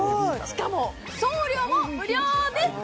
しかも送料も無料です！